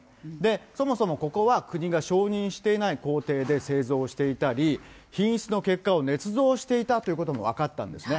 そもそもここは国が承認していない工程で製造していたり、品質の結果をねつ造していたということも分かったんですね。